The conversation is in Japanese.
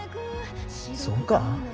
そうか？